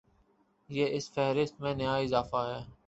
یہ اس فہرست میں نیا اضافہ ہے